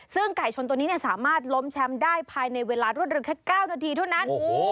ซึ่งไก่ชนตัวนี้สามารถล้มแชมป์ได้ภายในเวลารวดเร็วแค่๙นาทีเท่านั้น